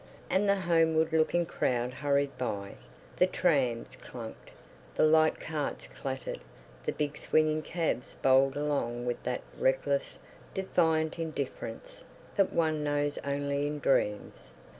And the homeward looking crowd hurried by, the trams clanked, the light carts clattered, the big swinging cabs bowled along with that reckless, defiant indifference that one knows only in dreams....